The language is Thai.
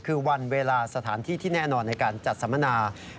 คือวันเวลาสถานที่ที่แน่นอนในการจัดสัมมนา